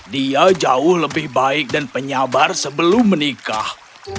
dia jauh lebih baik dan penyabar sebelum menikah